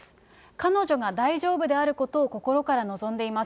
彼女が大丈夫であることを心から望んでいます。